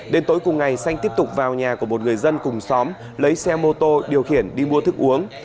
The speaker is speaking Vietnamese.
đến tối cùng ngày xanh tiếp tục vào nhà của một người dân cùng xóm lấy xe mô tô điều khiển đi mua thức uống